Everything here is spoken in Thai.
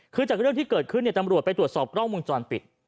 คือจากเรื่องที่เกิดขึ้นตำรวจไปตรวจสอบกล้องวงจรปิด